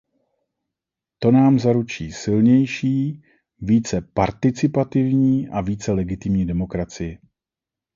To nám zaručí silnější, více participativní a více legitimní demokracii.